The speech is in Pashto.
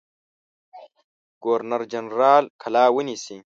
ګورنر جنرال قلا ونیسي.